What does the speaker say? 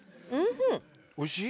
おいしい！